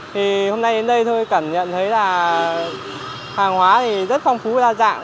hôm nay đến đây tôi cảm nhận thấy là hàng hóa rất phong phú và đa dạng